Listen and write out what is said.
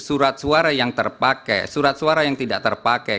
surat suara yang terpakai surat suara yang tidak terpakai